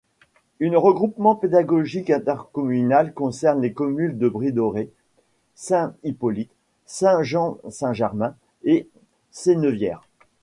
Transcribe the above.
Une regroupement pédagogique intercommunal concerne les communes de Bridoré, Saint-Hippolyte, Saint-Jean-Saint-Germain et Sennevières.